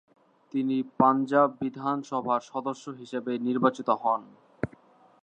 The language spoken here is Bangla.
তিনি পাঞ্জাব বিধানসভার সদস্য হিসেবে নির্বাচিত হন।